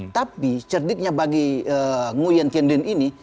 tapi cerdiknya bagi nguyen kiendin ini